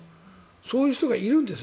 そういう人がいるんです。